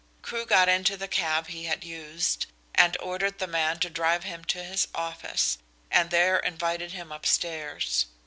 Crewe got into the cab he had used and ordered the man to drive him to his office, and there invited him upstairs.